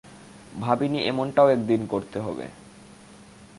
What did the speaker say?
ভাবিনি এমনটা ও একদিন করতে হবে।